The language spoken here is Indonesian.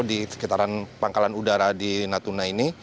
di sekitaran pangkalan udara di natuna ini